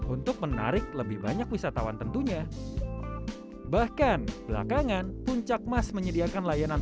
untuk menarik lebih banyak wisatawan tentunya bahkan belakangan puncak mas menyediakan layanan